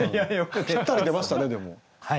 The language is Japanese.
ぴったり出ましたねでも。